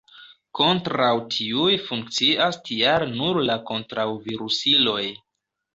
Kontraŭ tiuj funkcias tial nur la kontraŭ-virusiloj.